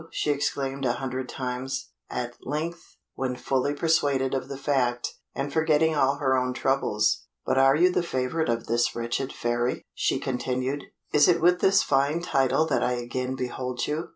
she exclaimed a hundred times. At length, when fully persuaded of the fact, and forgetting all her own troubles "But are you the favourite of this wretched Fairy?" she continued. "Is it with this fine title that I again behold you."